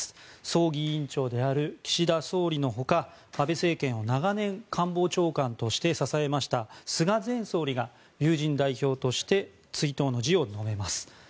葬儀委員長である岸田総理のほか安倍政権を長年、官房長官として支えました菅前総理が友人代表として追悼の辞を述べます。